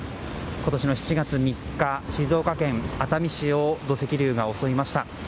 今年の７月３日、静岡県熱海市を土石流が襲いました。